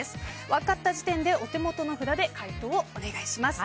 分かった時点でお手元の札で回答をお願いします。